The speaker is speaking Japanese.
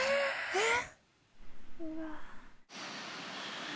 えっ。